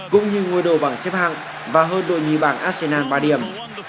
cũng như ngôi đồ bảng xếp hạng và hơn đội nhì bảng arsenal ba điểm